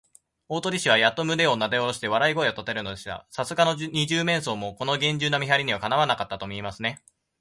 大鳥氏はやっと胸をなでおろして、笑い声をたてるのでした。さすがの二十面相も、このげんじゅうな見はりには、かなわなかったとみえますね。